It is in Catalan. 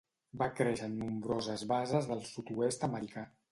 Va créixer en nombroses bases del sud-oest americà.